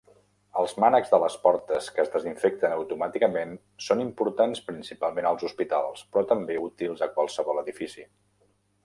Els mànecs de les portes que es desinfecten automàticament són importants principalment als hospitals, però també útils a qualsevol edifici.